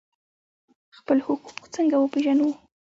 خپل حقوق څنګه وپیژنو؟